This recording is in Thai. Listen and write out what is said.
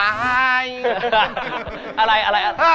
๔ข้อ๔คะแนน